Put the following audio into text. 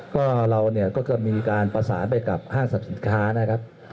ก็เราเนี่ยก็จะมีการประสานไปกับห้างสรรพสินค้านะครับ